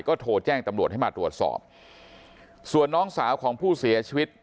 ก็โทรแจ้งตำรวจให้มาตรวจสอบส่วนน้องสาวของผู้เสียชีวิต